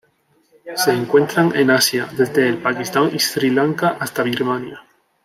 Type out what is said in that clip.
Se encuentran en Asia: desde el Pakistán y Sri Lanka hasta Birmania.